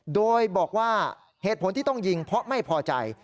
โดยบอกว่าเหตุผลที่ต้องยิงเพราะไม่พอใจ